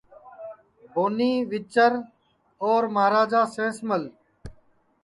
بونی، ویچر، اور مہاراجا سینس مل